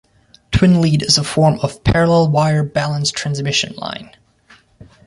Twin lead is a form of parallel-wire balanced transmission line.